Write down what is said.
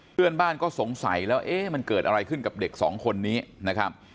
เพื่อนบ้านก็สงสัยแล้วเอ๊ะมันเกิดอะไรขึ้นกับเด็กสองคนนี้นะครับ